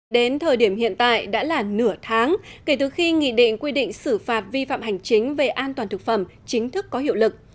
đến thời điểm hiện tại đã là nửa tháng kể từ khi nghị định quy định xử phạt vi phạm hành chính về an toàn thực phẩm chính thức có hiệu lực